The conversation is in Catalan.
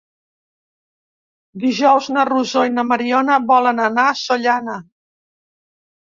Dijous na Rosó i na Mariona volen anar a Sollana.